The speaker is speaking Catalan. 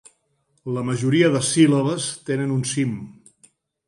La majoria de síl·labes tenen un cim.